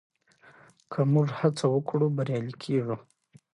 که موږ هڅه وکړو بریالي کېږو.